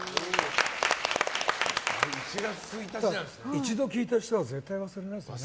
一度聞いた人は絶対忘れないですよね。